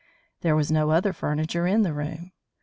There was no other furniture in the room.